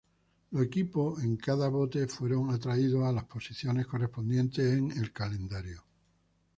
Los equipos en cada bote fueron atraídos a las posiciones correspondientes en el calendario.